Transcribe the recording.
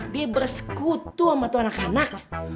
dia bersekutu sama tuh anak anak